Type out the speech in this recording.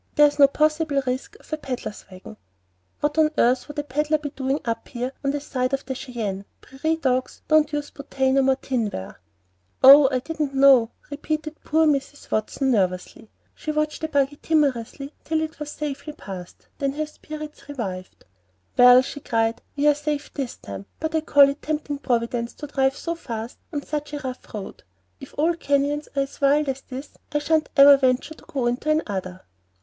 There's no possible risk of a pedler's wagon. What on earth should a pedler be doing up here on the side of Cheyenne! Prairie dogs don't use pomatum or tin ware." "Oh, I didn't know," repeated poor Mrs. Watson, nervously. She watched the buggy timorously till it was safely past; then her spirits revived. "Well," she cried, "we're safe this time; but I call it tempting Providence to drive so fast on such a rough road. If all canyons are as wild as this, I sha'n't ever venture to go into another."